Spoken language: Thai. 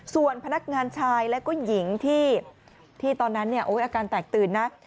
ส่วนพนักงานชายและก็หญิงที่ตอนนั้นอาการแตกตื่นนะ